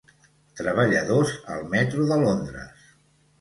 Treballadors al metro de Londres.